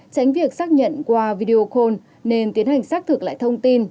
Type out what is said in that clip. tránh việc xác nhận qua video call nên tiến hành xác thực lại thông tin